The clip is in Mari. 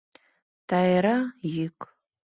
Тайра йӱк.